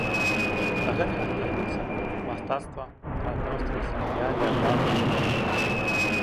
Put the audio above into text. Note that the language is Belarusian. Да гэтага дадаюцца мастацтва, рамёствы, сям'я, дзяржава, рэлігія.